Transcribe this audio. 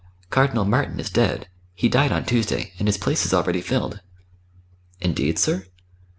"Cardinal Martin is dead he died on Tuesday and his place is already filled." "Indeed, sir?"